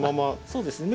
そうですね。